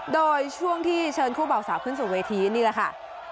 โดยช่วงที่เชิญคู่เบาสาวขึ้นสู่เวทีนี่แหละค่ะ